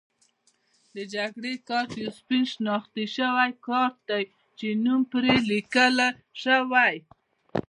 د جګړې پای یو سپین شناختي کارت دی چې نوم پرې لیکل شوی.